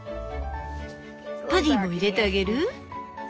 パディも入れてあげる？